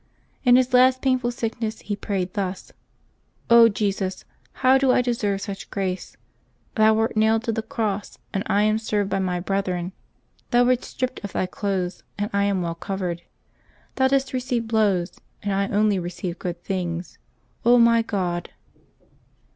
In his last painful sickness he prayed thus :" Jesus : how do I deserve such grace ! Thou wert nailed to the cross, and I am served by my brethren; Thou wert stripped of Thy clothes, and I cm well covered; Thou didst receive blows, and I only receive good things, my God."